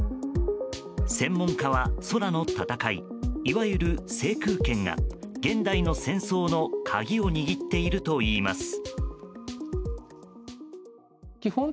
専門家は空の戦いいわゆる制空権が現代の戦争の鍵を握っているといいます。